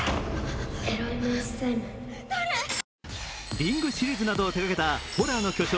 「リング」シリーズなどを手がけたホラーの巨匠・